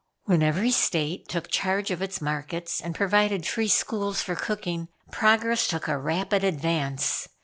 When every state took charge of its markets and provided free schools for cooking, progress took a rapid advance.